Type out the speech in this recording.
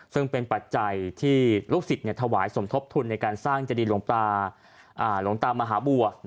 ซึ่งเป็นปัจจัยที่ลูกศิษย์ถวายสมทบทุนในการสร้างเจดีหลวงตามหาบัว